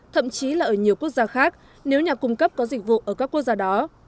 thậm chí là ở nhiều quốc gia khác nếu nhà cung cấp có dịch vụ ở các quốc gia đó